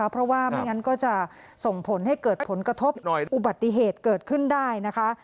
เพราะว่าไม่งั้นก็จะส่งผลให้เกิดผลกระทบอุบัติเหตุเกิดขึ้นได้นะคะ